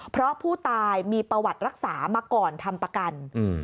เพราะผู้ตายมีประวัติรักษามาก่อนทำประกัน